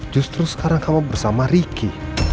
justru sekarang kamu bersama ricky